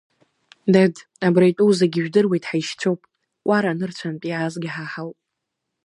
Дад, абра итәоу зегь, ижәдыруеит, ҳаишьцәоуп, Кәара анырцәынтә иаазгьы ҳа ҳауп.